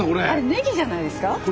あれねぎじゃないですか？